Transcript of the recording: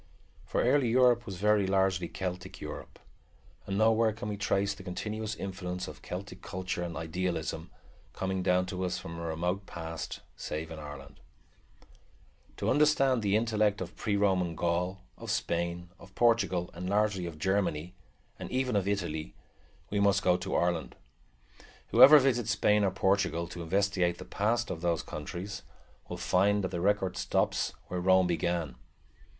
For early Europe was very largely Celtic Europe, and nowhere can we trace the continuous influence of Celtic culture and idealism, coming down to us from a remote past, save in Ireland only. To understand the intellect of pre Roman Gaul, of Spain, of Portugal, and largely of Germany, and even of Italy, we must go to Ireland. Whoever visits Spain or Portugal, to investigate the past of those countries, will find that the record stops where Rome began.